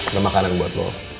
ada makanan buat lo